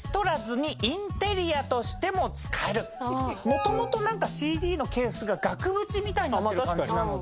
元々なんかＣＤのケースが額縁みたいになってる感じなので。